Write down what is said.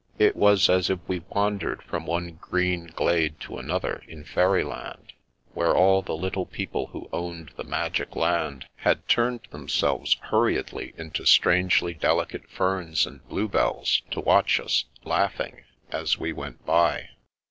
It was as if we wandered from one green glade to another in fairy land, where all the little people who owned the magic land had turned themselves hurriedly into strangely delicate ferns and bluebells to watch us, laughing, as we went by.